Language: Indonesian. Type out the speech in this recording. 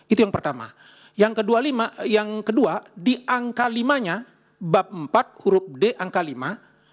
itu yang pertama yang kedua lima yang kedua di angka lima nya bab empat huruf d angka lima